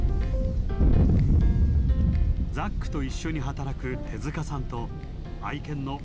ザックと一緒に働く手塚さんと愛犬の豆ちゃんです。